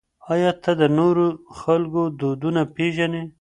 آیا ته د نورو خلکو دودونه پېژنې؟